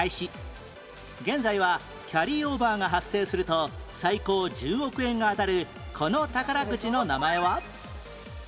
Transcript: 現在はキャリーオーバーが発生すると最高１０億円が当たるこの宝くじの名前は？